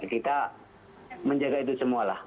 kita menjaga itu semua lah